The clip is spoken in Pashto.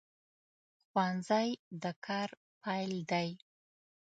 ښوونځی د کار پیل دی